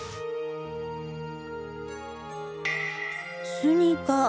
スニーカー。